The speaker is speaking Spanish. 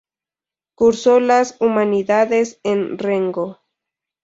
Cursó las Humanidades en Rengo.